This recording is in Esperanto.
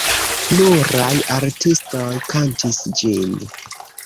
Pluraj artistoj kantis ĝin.